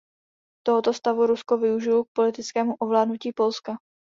Tohoto stavu Rusko využilo k politickému ovládnutí Polska.